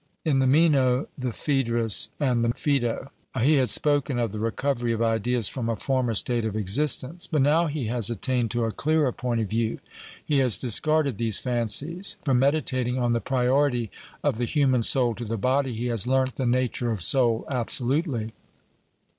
In the Meno, the Phaedrus, and the Phaedo, he had spoken of the recovery of ideas from a former state of existence. But now he has attained to a clearer point of view: he has discarded these fancies. From meditating on the priority of the human soul to the body, he has learnt the nature of soul absolutely.